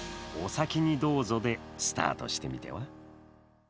「お先にどうぞ」でスタートしてみては？